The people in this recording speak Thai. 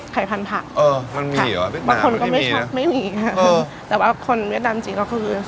ไข่พันธุ์ผักค่ะบางคนก็ไม่ชอบไม่มีแต่ว่าคนเวียดนามจริงก็คือ